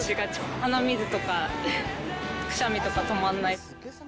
鼻水とか、くしゃみとか止まんない。